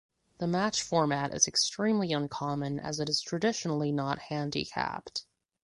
The match format is extremely uncommon as it is traditionally not handicapped.